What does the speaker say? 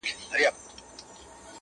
د لباس كيسې عالم وې اورېدلي!.